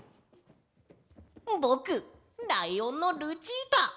ぼくライオンのルチータ！